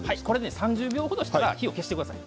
３０秒ぐらいしたら火は消してください。